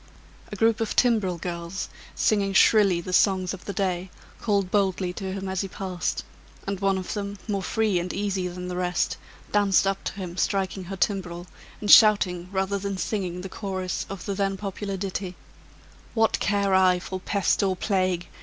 A group of timbril girls, singing shrilly the songs of the day, called boldly to him as he passed; and one of them, more free and easy than the rest, danced up to him striking her timbrel, and shouting rather than singing the chorus of the then popular ditty, "What care I for pest or plague?